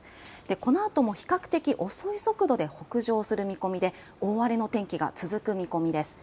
このあとも比較的遅い速度で北上する見込みで大荒れの天気が続く見込みです。